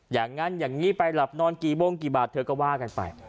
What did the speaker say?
อย่างนั้นอย่างนี้ไปหลับนอนกี่โมงกี่บาทเธอก็ว่ากันไป